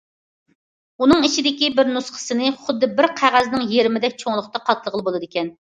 ئۇنىڭ ئىچىدىكى بىر نۇسخىسىنى خۇددى بىر قەغەزنىڭ يېرىمىدەك چوڭلۇقتا قاتلىغىلى بولىدىكەن.